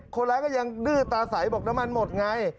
คนร้ายก็ยังดื้อตาใสบอกน้ำมันหมดไง